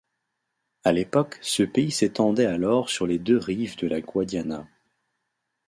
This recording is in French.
À l'époque, ce pays s'étendait alors sur les deux rives de la Guadiana.